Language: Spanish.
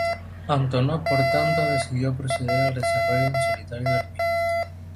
Antonov por tanto, decidió proceder al desarrollo en solitario del mismo.